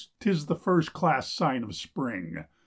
'Tis the first class sign of spring.